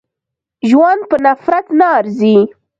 ژوند په نفرت نه ارزي.